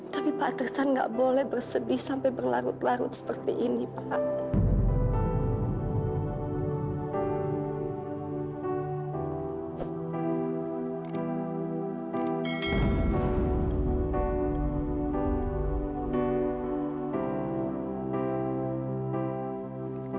tapi pak tristan gak boleh bersedih sampai berlarut larut seperti ini pak